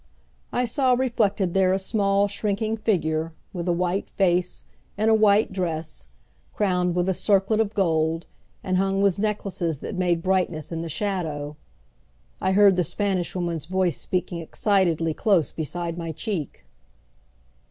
I saw reflected there a small, shrinking figure, with a white face, in a white dress, crowned with a circlet of gold, and hung with necklaces that made brightness in the shadow. I heard the Spanish Woman's voice speaking excitedly close beside my cheek.